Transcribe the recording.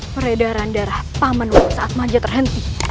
peredaran darah paman wim saat manja terhenti